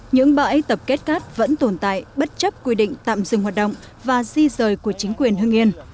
những bãi tập kết cát vẫn tồn tại bất chấp quy định tạm dừng hoạt động và di rời của chính quyền hưng yên